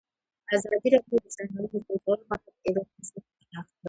ازادي راډیو د د ځنګلونو پرېکول په اړه د عبرت کیسې خبر کړي.